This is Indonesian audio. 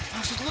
masuk dulu kak